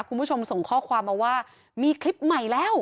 คุณผู้ชมส่งข้อความมาว่ามีคลิปใหม่แล้ว